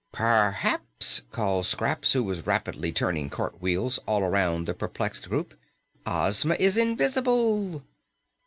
"Perhaps," called Scraps, who was rapidly turning "cartwheels" all around the perplexed group, "Ozma is invisible."